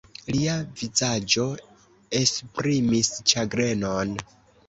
Lia vizaĝo esprimis ĉagrenon.